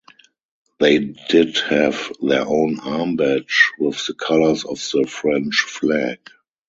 They did have their own arm badge with the colors of the French flag.